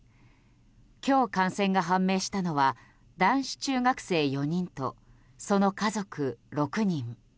今日、感染が判明したのは男子中学生４人とその家族６人。